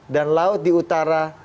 dan laut di utara